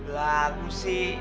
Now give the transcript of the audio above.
lah aku sih